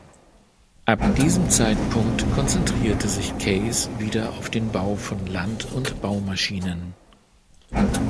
Ab diesem Zeitpunkt konzentrierte sich Case wieder auf den Bau von Land- und Baumaschinen.